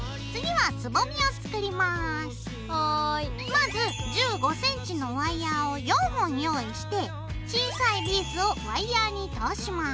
まず１５ｃｍのワイヤーを４本用意して小さいビーズをワイヤーに通します。